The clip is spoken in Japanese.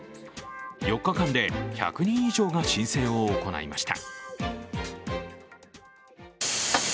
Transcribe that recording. ４日間で１００人以上が申請を行いました。